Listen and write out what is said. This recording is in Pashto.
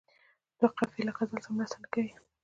دوه قافیې له غزل سره مرسته نه کوي.